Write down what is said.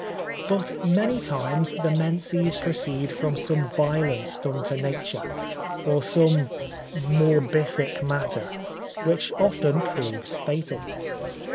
But many times the menses proceed from some violence done to nature, or some morbific matter, which often proves fatal.